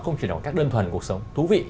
không chỉ là một cách đơn thuần cuộc sống thú vị